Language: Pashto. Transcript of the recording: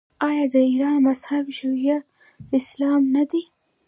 آیا د ایران مذهب شیعه اسلام نه دی؟